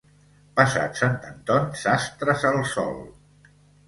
Passat Sant Anton, sastres al sol.